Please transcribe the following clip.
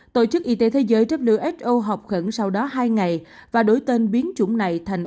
tổ chức y tế thế giới trách lượng h o học khẩn sau đó hai ngày và đổi tên biến chủng này thành